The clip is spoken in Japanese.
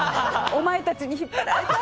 お前たちに引っ張られた。